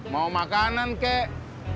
mau makanan kek